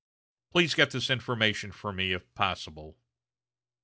Please get this information for me, if possible."